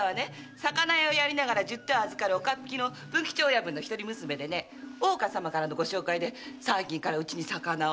魚屋をやりながら十手を預かる岡っ引きの文吉親分の一人娘で大岡様からのご紹介で最近からうちに魚を。